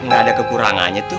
gak ada kekurangannya tuh